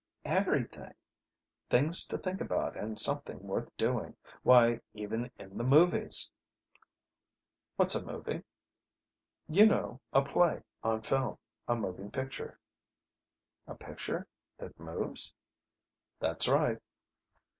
"Everything. Things to think about and something worth doing. Why, even in the movies " "What's a movie?" "You know, a play, on film. A moving picture." "A picture that moves?" "That's right."